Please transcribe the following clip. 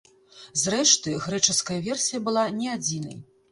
Зрэшты, грэчаская версія была не адзінай.